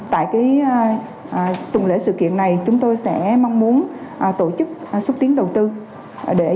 tại tuần lễ sự kiện này chúng tôi sẽ mong muốn tổ chức xuất tiến đầu tư để giới thiệu quảng bá tỉnh gia lai